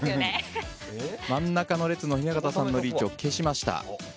真ん中の列の雛形さんのリーチを消しました。